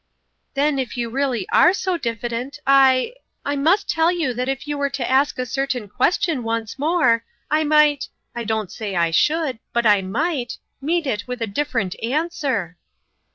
" Then, if you are really so diffident, I I must tell you that if you were to ask a certain question once more, I might I don't say I should, but I might meet it with a different answer